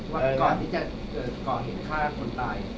ว่าก่อนที่จะเกิดก่อเหตุฆ่าคนตาย